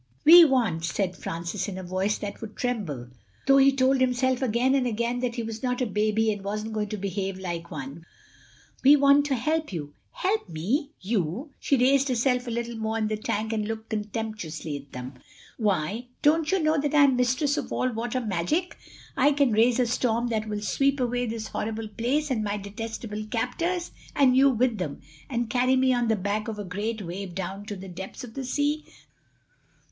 "We want," said Francis in a voice that would tremble though he told himself again and again that he was not a baby and wasn't going to behave like one—"we want to help you." "Help me? You?" She raised herself a little more in the tank and looked contemptuously at them. "Why, don't you know that I am mistress of all water magic? I can raise a storm that will sweep away this horrible place and my detestable captors and you with them, and carry me on the back of a great wave down to the depths of the sea."